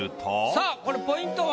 さあこれポイントは？